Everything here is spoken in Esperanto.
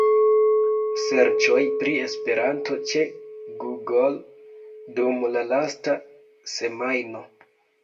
Serĉoj pri “Esperanto” ĉe Google dum la lasta semajno.